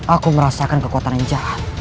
aku merasakan kekuatan injara